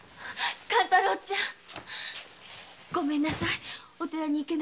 勘太郎ちゃんごめんなさいお寺に行けなくて。